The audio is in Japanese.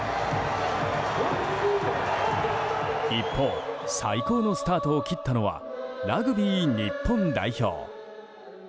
一方最高のスタートを切ったのはラグビー日本代表。